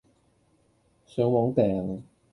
上網訂?